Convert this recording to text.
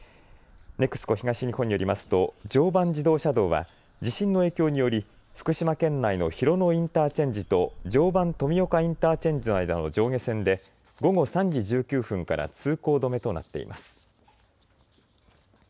ＮＥＸＣＯ東日本によりますと常磐自動車道は地震の影響により福島県内の広野インターチェンジと常磐富岡インターチェンジの間の上下線で午後３時１９分から通行止めとなっています。